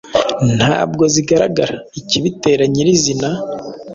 ntabwo zigaragaza ikibitera nyir’izina,